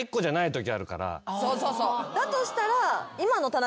だとしたら。